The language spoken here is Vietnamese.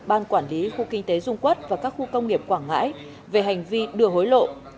ban quản lý khu kinh tế dung quốc và các khu công nghiệp quảng ngãi về hành vi đưa hối lộ